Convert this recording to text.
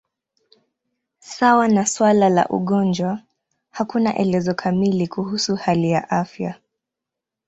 Sawa na suala la ugonjwa, hakuna elezo kamili kuhusu hali ya afya.